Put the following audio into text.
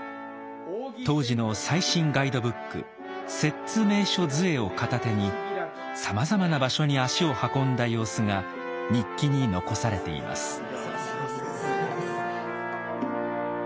当時の最新ガイドブック「摂津名所図会」を片手にさまざまな場所に足を運んだ様子が日記に残されています。